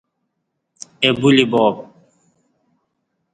اہ بولی باب